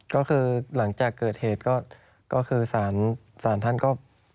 ก็คือหลังจากเกิดเหตุก็คือสารท่านก็